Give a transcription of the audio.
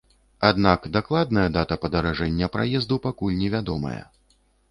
Аднак дакладная дата падаражэння праезду пакуль невядомая.